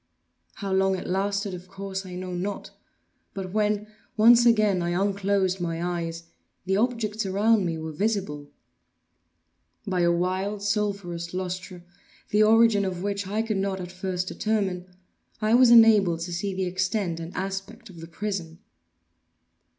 How long it lasted of course, I know not; but when, once again, I unclosed my eyes, the objects around me were visible. By a wild sulphurous lustre, the origin of which I could not at first determine, I was enabled to see the extent and aspect of the prison.